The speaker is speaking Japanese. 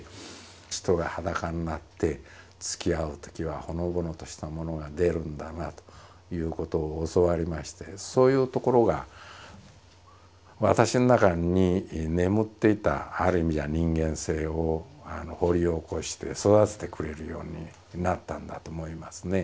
人が裸になってつきあうときはほのぼのしたものが出るんだなあということを教わりましてそういうところが私の中に眠っていたある意味じゃ人間性を掘り起こして育ててくれるようになったんだと思いますね。